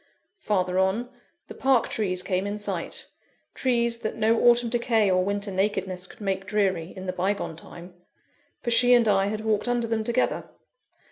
Farther on, the Park trees came in sight trees that no autumn decay or winter nakedness could make dreary, in the bygone time; for she and I had walked under them together.